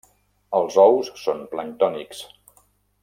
Els ous són planctònics.